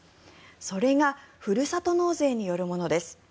それがふるさと納税によるものです。